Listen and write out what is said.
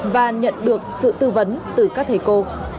và nhận được sự tư vấn từ các thầy cô